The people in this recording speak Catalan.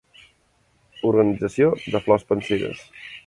Organització de flors pansides.